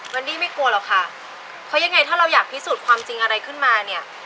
วันนี้ไม่กลัวหรอกค่ะเพราะยังไงถ้าเราอยากพิสูจน์ความจริงอะไรขึ้นมาเนี่ย